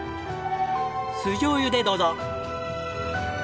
酢じょうゆでどうぞ。